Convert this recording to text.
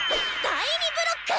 第２ブロック！